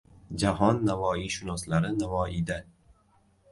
Jahon navoiyshunoslari Navoiyda